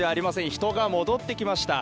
人が戻ってきました。